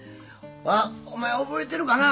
お前覚えてるかな？